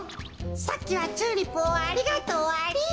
さっきはチューリップをありがとうアリ。